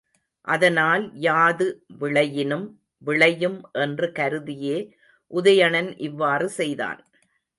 அதனால் யாது விளையினும் விளையும் என்று கருதியே உதயணன் இவ்வாறு செய்தான்.